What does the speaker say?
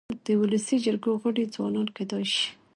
د ولسي جرګو غړي ځوانان کيدای سي.